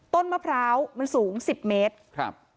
ต้นมะพร้าวมันสูง๑๐เมตร